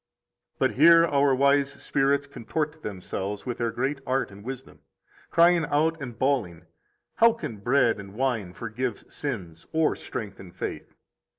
28 But here our wise spirits contort themselves with their great art and wisdom, crying out and bawling: How can bread and wine forgive sins or strengthen faith?